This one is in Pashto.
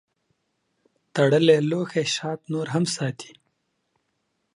تړلی لوښی شات نور هم ساتي.